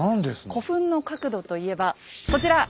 古墳の角度と言えばこちら。